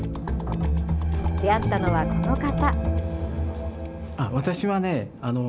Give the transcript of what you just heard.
出会ったのはこの方。